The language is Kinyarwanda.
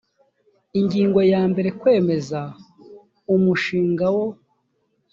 ingingo ya mbere kwemeza umushinga wo